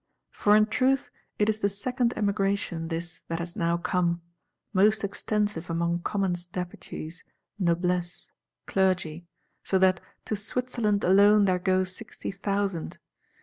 For, in truth, it is the second Emigration this that has now come; most extensive among Commons Deputies, Noblesse, Clergy: so that "to Switzerland alone there go sixty thousand."